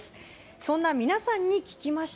そんな皆さんに聞きました。